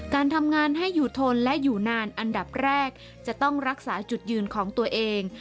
การทำงานให้อยู่ทนและอยู่นานอันดับแรกจะต้องรักษาจุดยืนของตัวเอง